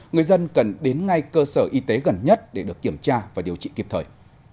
người dân cần đến ngay cơ sở y tế gần nhất để được kiểm tra và điều trị kịp thời